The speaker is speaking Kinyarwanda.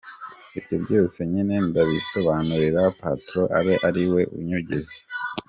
Ibyo byose nyine ndabisobanurira patron abe ari we unyongeza….